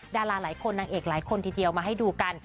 ดาราหลายคนนางเอกหลายคนทีเดียวมาให้ดูกัน